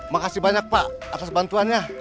makasih banyak pak atas bantuannya